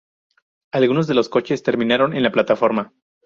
Algunos de los coches terminaron en la plataforma.